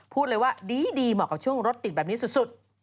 พูดเลยว่าดีเหมาะกับช่วงรถติดแบบนี้สุด